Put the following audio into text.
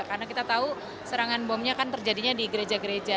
karena kita tahu serangan bomnya kan terjadinya di gereja gereja